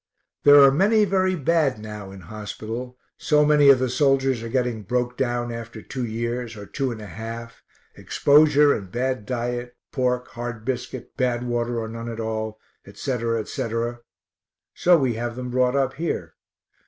There are many very bad now in hospital, so many of the soldiers are getting broke down after two years, or two and a half, exposure and bad diet, pork, hard biscuit, bad water or none at all, etc., etc. so we have them brought up here.